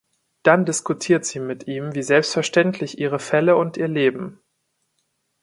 Dann diskutiert sie mit ihm wie selbstverständlich ihre Fälle und ihr Leben.